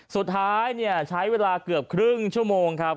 สุดท้ายใช้เวลาเกือบครึ่งชั่วโมงครับ